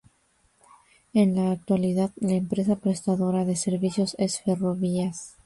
En la actualidad la empresa prestadora de servicios es Ferrovías.